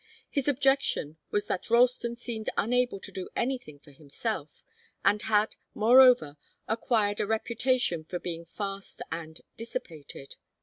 His objection was that Ralston seemed unable to do anything for himself, and had, moreover, acquired a reputation for being fast and dissipated.